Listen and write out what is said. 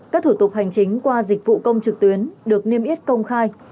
các thủ tục hành chính qua dịch vụ công trực tuyến được niêm yết công khai